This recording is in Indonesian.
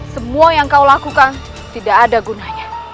semua yang kau lakukan tidak ada gunanya